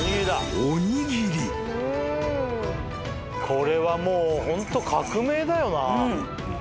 これはもうホント革命だよな。